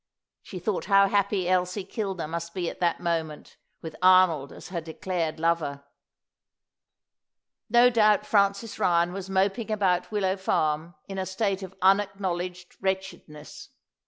She thought how happy Elsie Kilner must be at that moment with Arnold as her declared lover. No doubt Francis Ryan was moping about Willow Farm in a state of unacknowledged wretchedness.